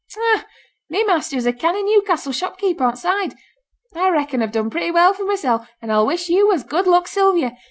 Ha ha, my measter is a canny Newcassel shopkeeper, on t' Side. A reckon a've done pretty well for mysel', and a'll wish yo' as good luck, Sylvia.